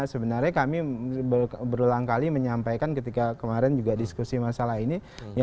sebenarnya kami berulang kali menyampaikan ketika kemarin juga diskusi masalah ini